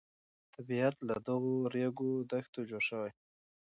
طبیعت له دغو ریګ دښتو جوړ دی.